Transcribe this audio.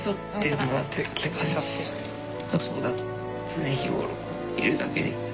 常日頃いるだけで。